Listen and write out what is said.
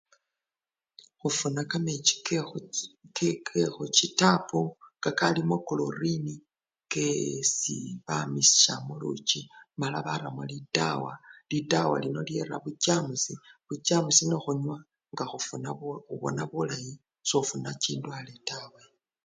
Khufuna kamechi kekhuchi-chi-tapu kakalimo krolini kesi bamisha muluchi mala baramo lidawa, lidawa lino lyera buchamusi, buchamusi nekhunwa nga khubona bulayi sofuna chindwale taa.